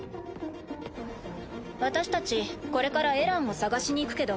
私たちこれからエランを捜しに行くけど。